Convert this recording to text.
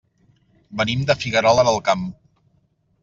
Venim de Figuerola del Camp.